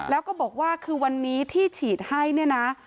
แล้วก็บอกว่าคือวันนี้ที่ฉีดให้เนี่ยนะ